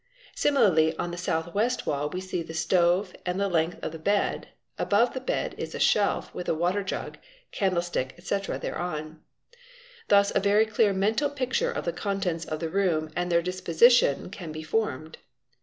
Similarly on the south west wall we see the stove and the length of the bed, above the bed is a shelf with a water jug, candlestick, etc., thereon. Thus a very clear mental picture of the contents of the room and their disposition can be formed.